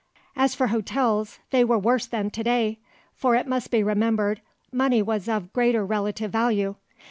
As for hotels, they were worse than to day, for it must be remembered money was of greater relative value.